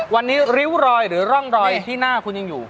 วันนี้ริ้วรอยหรือร่องรอยที่หน้าคุณยังอยู่